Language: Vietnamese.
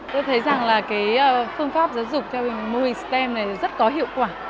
tôi thấy rằng là cái phương pháp giáo dục theo mô hình stem này rất có hiệu quả